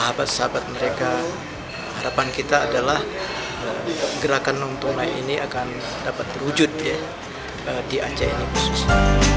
sahabat sahabat mereka harapan kita adalah gerakan non tunai ini akan dapat terwujud ya di aceh ini khususnya